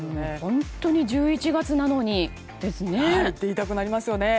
本当に１１月なのにですね。と言いたくなりますよね。